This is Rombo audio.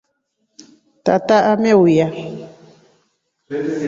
Tata ameuya.